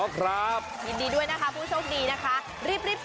ใครเหลือใคร